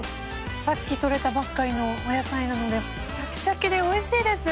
さっき取れたばっかりのお野菜なのでシャキシャキでおいしいです。